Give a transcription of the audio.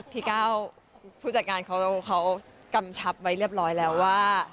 พี่ก้าวผู้จัดงานเขากำชับไว้เรียบร้อยแล้วว่า